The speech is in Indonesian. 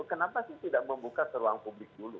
kenapa tidak membuka ruang publik dulu